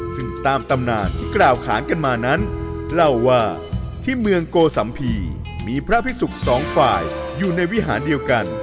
ซึ่งตามตำนานที่กล่าวขานกันมานั้นเล่าว่าที่เมืองโกสัมภีร์มีพระพิสุกสองฝ่ายอยู่ในวิหารเดียวกัน